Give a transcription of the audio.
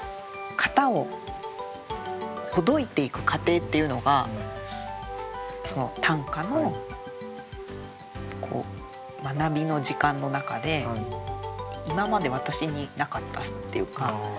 型をほどいていく過程っていうのが短歌の学びの時間の中で今まで私になかったっていうか。